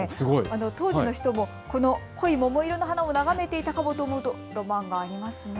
当時の人もこの濃い桃色の花を眺めていたかもと思うとロマンがありますね。